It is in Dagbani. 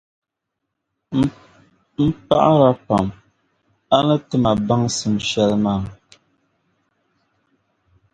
m paɣiri a pam a ni ti ma baŋsim shɛli maa.